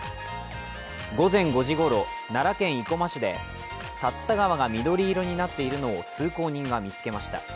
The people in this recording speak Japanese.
午前５時ごろ奈良県生駒市で竜田川が緑色になっているのを通行人が見つけました。